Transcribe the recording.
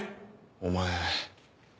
お前。